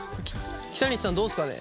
北西さんどうですかね？